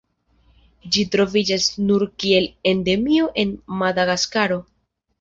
Ĝi troviĝas nur kiel endemio en Madagaskaro.